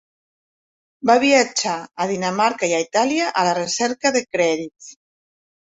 Va viatjar a Dinamarca i a Itàlia a la recerca de crèdits.